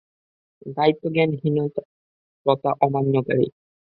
দায়িত্বজ্ঞানহীন, প্রথা অমান্যকারী।